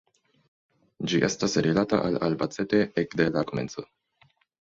Ĝi estis rilata al Albacete ekde la komenco.